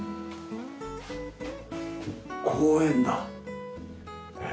公園だ。